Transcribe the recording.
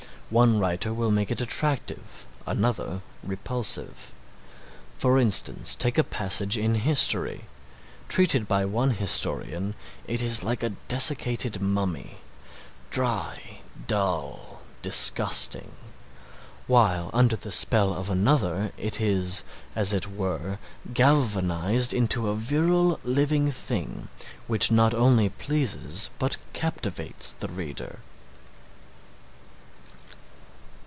One writer will make it attractive, another repulsive. For instance take a passage in history. Treated by one historian it is like a desiccated mummy, dry, dull, disgusting, while under the spell of another it is, as it were, galvanized into a virile living thing which not only pleases but captivates the reader.